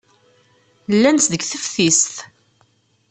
Llant deg teftist.